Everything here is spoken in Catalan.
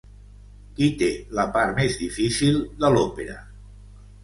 Qui té la part més difícil de l'òpera?